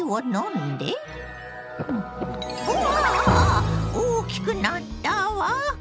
あぁ大きくなったわ！